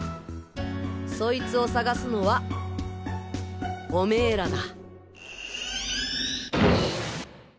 そいつを探すのはオメーらだ！！